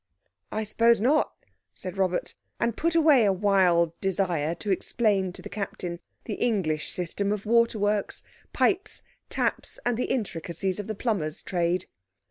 "I suppose not," said Robert, and put away a wild desire to explain to the Captain the English system of waterworks, pipes, taps, and the intricacies of the plumbers' trade.